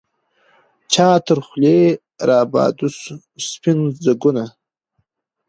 چا تر خولې را بادوله سپین ځګونه